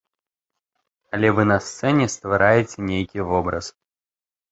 Але вы на сцэне ствараеце нейкі вобраз.